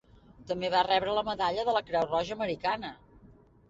També va rebre la medalla de la Creu Roja Americana.